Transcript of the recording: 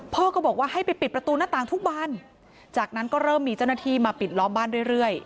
พ่อก็บอกว่าให้ไปปิดประตูหน้าต่างทุกวันจากนั้นก็เริ่มมีเจ้าหน้าที่มาปิดล้อมบ้านเรื่อย